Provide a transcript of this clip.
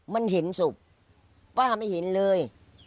มันเห็นสุภูมิป้าไม่เห็นเลย